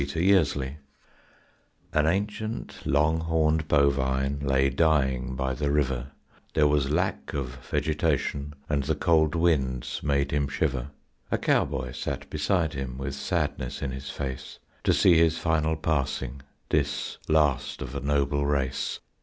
THE LAST LONGHORN An ancient long horned bovine Lay dying by the river; There was lack of vegetation And the cold winds made him shiver; A cowboy sat beside him With sadness in his face. To see his final passing, This last of a noble race.